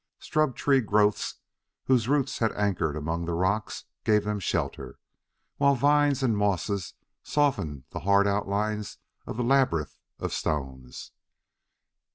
Scrub tree growths whose roots had anchored among the rocks gave them shelter, while vines and mosses softened the hard outlines of the labyrinth of stones.